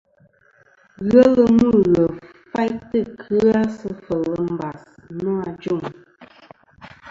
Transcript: Ghelɨ Mughef fayntɨ kɨ-a sɨ fel mbas nô ajuŋ.